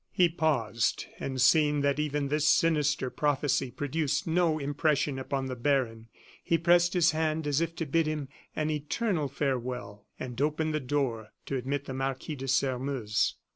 He paused, and seeing that even this sinister prophecy produced no impression upon the baron, he pressed his hand as if to bid him an eternal farewell, and opened the door to admit the Marquis de Sairmeuse.